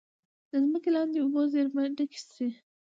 د ځمکې لاندې اوبو زیرمې ډکې شي.